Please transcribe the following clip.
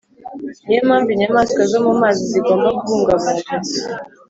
ni yo mpamvu inyamaswa zo mu mazi zigomba kubungabungwa,